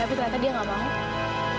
tapi ternyata dia nggak banget